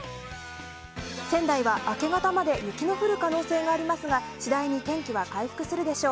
仙台は明け方まで雪の降る可能性がありますが次第に天気は回復するでしょう。